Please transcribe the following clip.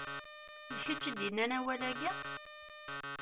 D kečč i d-yennan awal-agi?